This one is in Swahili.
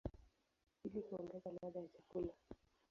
ili kuongeza ladha ya chakula.